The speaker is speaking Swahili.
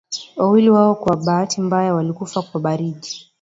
wawili wao kwa bahati mbaya walikufa kwa baridi